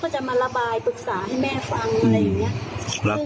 ก็จะมาราบายปรึกษาให้แม่ฟัง